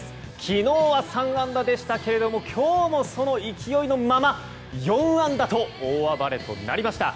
昨日は３安打でしたが今日も、その勢いのまま４安打と大暴れとなりました。